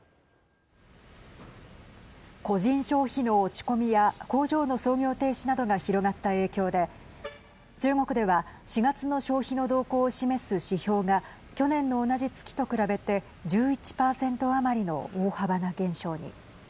個人消費の落ち込みや工場の操業停止などが広がった影響で中国では４月の消費の動向を示す指標が去年の同じ月と比べて１１％余りの大幅な減少に。